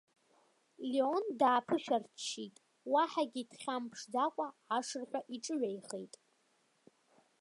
Леон дааԥышәарччеит, уаҳагьы дхьамԥшӡакәа ашырҳәа иҿыҩаихеит.